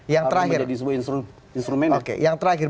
yang terakhir yang terakhir